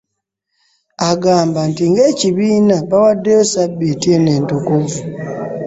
Agamba nti ng'ekibiina bawaddeyo Ssabbiiti eno entukuvu.